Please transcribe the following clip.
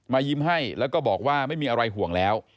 ยิ้มให้แล้วก็บอกว่าไม่มีอะไรห่วงแล้ว